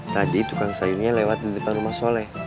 tadi tukang sayurnya lewat di depan rumah soleh